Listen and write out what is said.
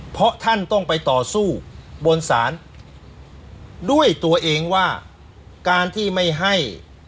เพราะท่านต้องไปต่อสู้บนศาลด้วยตัวเองว่าการที่ไม่ให้